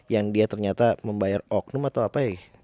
yang dia ternyata membayar oknum atau apa